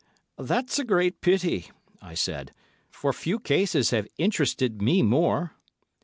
"That's a great pity," I said; "for few cases have interested me more."